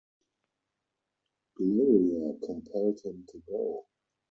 Gloria compelled him to go.